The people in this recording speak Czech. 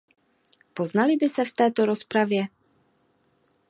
Poznali by se v této rozpravě?